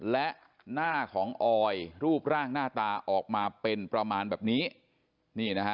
และหน้าของออยรูปร่างหน้าตาออกมาเป็นประมาณแบบนี้นี่นะฮะ